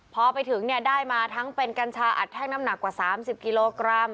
พอไปถึงเนี่ยได้มาทั้งเป็นกัญชาอัดแท่งน้ำหนักกว่า๓๐กิโลกรัม